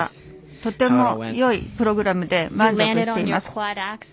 とても良いプログラムで満足しています。